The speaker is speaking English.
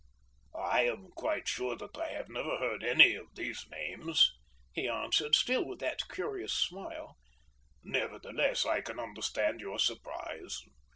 "I am quite sure that I have never heard of any of these names," he answered, still with that curious smile. "Nevertheless I can understand your surprise.